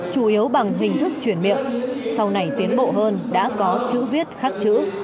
chủ yếu bằng hình thức chuyển miệng sau này tiến bộ hơn đã có chữ viết khắc chữ